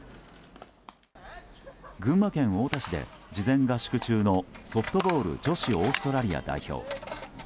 群馬県太田市で事前合宿中のソフトボール女子オーストラリア代表。